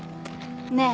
ねえ。